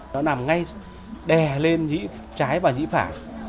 nó nằm ngay đè lên nhĩ trái và nhĩ phải